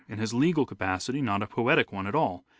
in his legal capacity, not a poetic one at all.